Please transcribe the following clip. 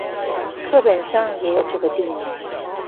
課本上也有這個地名